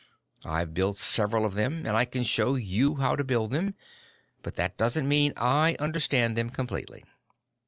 I've built several of them, and I can show you how to build them, but that doesn't mean I understand them completely."